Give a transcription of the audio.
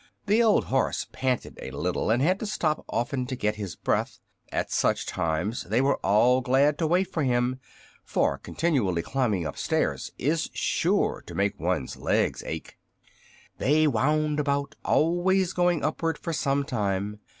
The old horse panted a little, and had to stop often to get his breath. At such times they were all glad to wait for him, for continually climbing up stairs is sure to make one's legs ache. They wound about, always going upward, for some time.